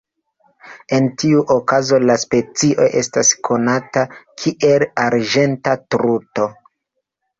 En tiu okazo la specio estas konata kiel "arĝenta truto".